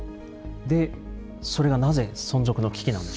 でそれがなぜ存続の危機なんでしょうか？